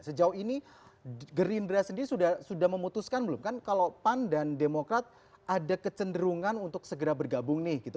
sejauh ini gerindra sendiri sudah memutuskan belum kan kalau pan dan demokrat ada kecenderungan untuk segera bergabung nih gitu